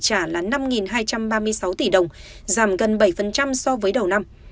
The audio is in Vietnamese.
trả là năm hai trăm ba mươi sáu tỷ đồng giảm gần bảy so với đầu năm